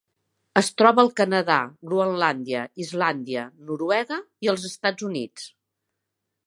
Es troba al Canadà, Groenlàndia, Islàndia, Noruega i els Estats Units.